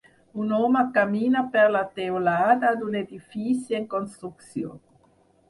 Un home camina per la teulada d'un edifici en construcció.